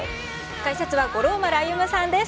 解説は五郎丸歩さんです。